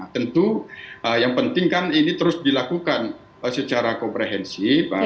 tentu yang penting kan ini terus dilakukan secara komprehensif